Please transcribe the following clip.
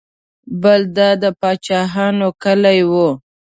بل دا د پاچاهانو کلی و.